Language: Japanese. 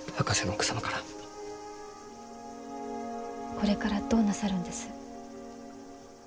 これからどうなさるんです？